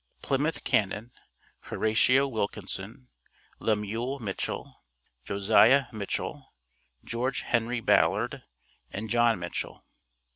PLYMOUTH CANNON, HORATIO WILKINSON, LEMUEL MITCHELL, JOSIAH MITCHELL, GEORGE HENRY BALLARD, AND JOHN MITCHELL.